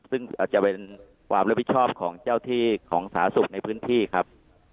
ซึ่งอาจจะเป็นความรับผิดชอบของเจ้าที่ของสาธารณสุขในพื้นที่ครับ